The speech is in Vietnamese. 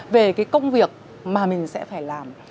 về cái công việc mà mình sẽ phải làm